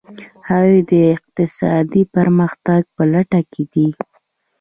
هغوی د اقتصادي پرمختیا په لټه کې دي.